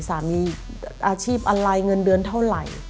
อาชีพอะไรเงินเดือนเท่าไหร่